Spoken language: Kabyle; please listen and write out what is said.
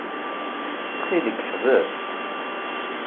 Ttxil-k, ḥbes.